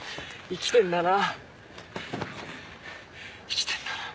生きてんだな。